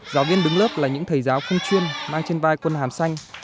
giáo viên đứng lớp là những thầy giáo không chuyên mang trên vai quân hàm xanh